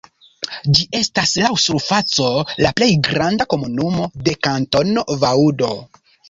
Ĝi estas laŭ surfaco la plej granda komunumo de Kantono Vaŭdo.